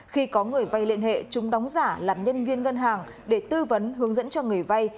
khi có người vay liên hệ chúng đóng giả làm nhân viên ngân hàng để tư vấn hướng dẫn cho người vay